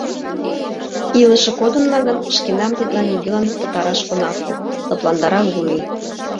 — Илыше кодынна гын, шкенам тетла нигӧлан пытараш она пу, — лыпландара Гурий.